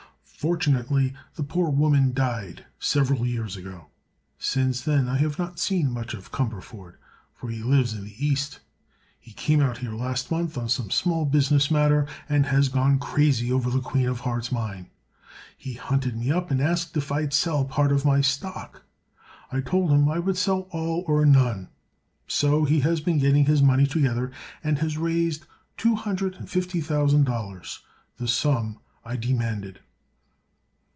Fortunately the poor woman died several years ago. Since then I have not seen much of Cumberford, for he lives in the East. He came out here last month on some small business matter and has gone crazy over the Queen of Hearts mine. He hunted me up and asked if I'd sell part of my stock. I told him I would sell all or none. So he has been getting his money together and has raised two hundred and fifty thousand dollars—the sum I demanded."